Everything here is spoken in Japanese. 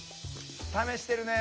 試してるね。